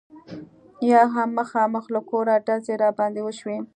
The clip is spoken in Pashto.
یا هم مخامخ له کوره ډزې را باندې وشي.